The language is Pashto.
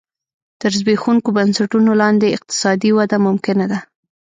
تر زبېښونکو بنسټونو لاندې اقتصادي وده ممکنه ده.